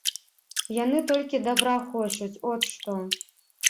Яны толькі дабра хочуць, от што.